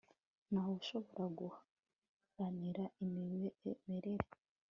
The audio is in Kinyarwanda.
ntawe ushobora guharanira imimerere